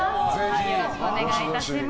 よろしくお願いします。